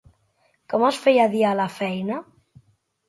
Com es feia dir a la feina?